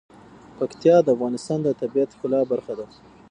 پکتیا د افغانستان د طبیعت د ښکلا برخه ده.